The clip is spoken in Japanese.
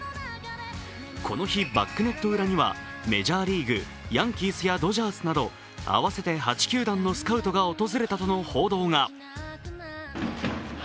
この日、バックネット裏にはメジャーリーグヤンキースやドジャースなど合わせて８球団のスカウトが訪れたという報道が。